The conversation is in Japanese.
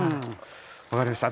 分かりました。